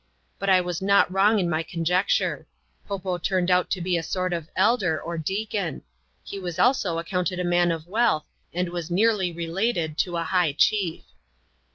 But I was not wrong in my conjecture : Po Fo turned out to be a sort of elder, or deacon ; he was also ac counted a man of wealth, and was nearly related to a high chief.